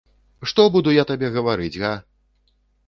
Што буду я табе гаварыць, га?